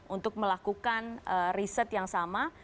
untuk melakukan riset yang sama